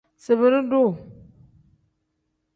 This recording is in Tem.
Zinbiri-duu.